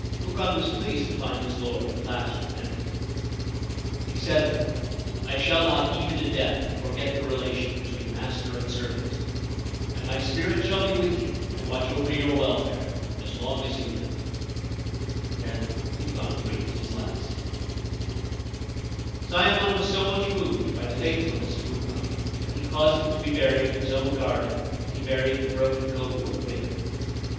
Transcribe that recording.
Ukon was pleased to find his lord at last repentant. He said : 1 ' Disembowelled myself.' 329 42 Ancient Tales and Folklore of Japan ' I shall not even in death forget the relation between master and servant, and my spirit shall be with you and watch over your welfare as long as you live.' Then Ukon breathed his last. Sayemon was so much moved by the faithfulness of Ukon that he caused him to be buried in his own garden, and he buried the broken go board with him.